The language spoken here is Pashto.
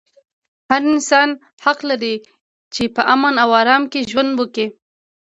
هر انسان حق لري چې په امن او ارام کې ژوند وکړي.